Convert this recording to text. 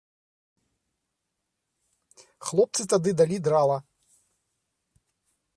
Хлопцы тады далі драла.